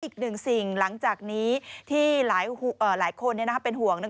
อีกหนึ่งสิ่งหลังจากนี้ที่หลายคนเป็นห่วง